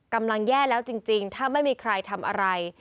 กำลังแย่แล้วจริงถ้าไม่มีใครทำอะไร